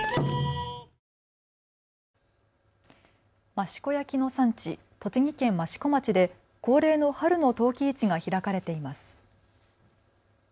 益子焼の産地、栃木県益子町で恒例の春の陶器市が開かれています。